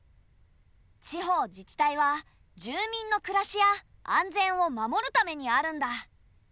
地方自治体は住民の暮らしや安全を守るためにあるんだ。